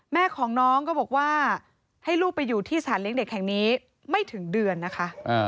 แม่ของน้องก็บอกว่าให้ลูกไปอยู่ที่สถานเลี้ยงเด็กแห่งนี้ไม่ถึงเดือนนะคะ